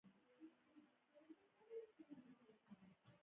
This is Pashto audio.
تاجک سوداګر د تاجکو قبيلوي احساسات.